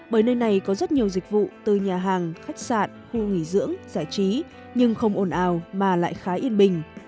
bởi nơi này có rất nhiều dịch vụ từ nhà hàng khách sạn khu nghỉ dưỡng giải trí nhưng không ồn ào mà lại khá yên bình